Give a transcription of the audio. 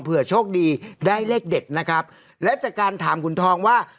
เผื่อโชคดีได้เลขเด็ดนะครับและจากการถามขุนทองว่า